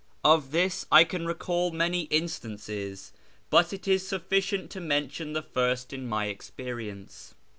Of tliis I can recall many instances, but it is suilicient to mention the first in my experience.